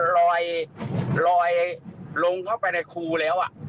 ลอยลงเข้าไปในครูแล้ว